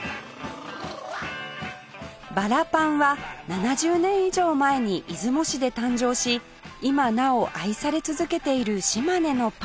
バラパンは７０年以上前に出雲市で誕生し今なお愛され続けている島根のパン